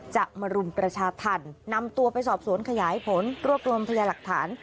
จะมารุมประชาธรรมนำตัวไปสอบสวนขยายผลรวบรวมพยาหลักฐาน